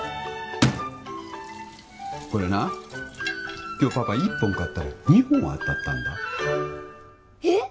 これな今日パパ１本買ったら２本当たったんだえっ！？